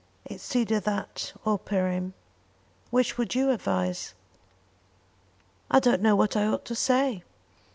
It's either that or Perim. Which would you advise?" "I don't know what I ought to say."